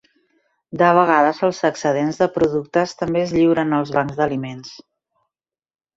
De vegades, els excedents de productes també es lliuren als bancs d'aliments.